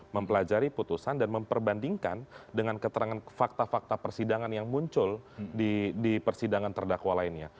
mempelajari putusan dan memperbandingkan dengan keterangan fakta fakta persidangan yang muncul di persidangan terdakwa lainnya